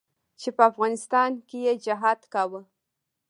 چې په افغانستان کښې يې جهاد کاوه.